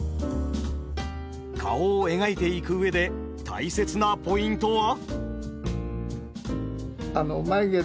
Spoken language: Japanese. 顔を描いていく上で大切なポイントは？